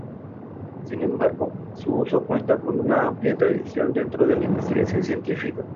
Sin embargo, su uso cuenta con una amplia tradición dentro de la investigación científica.